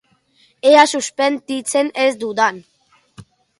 Ea suspenditzen ez dudan!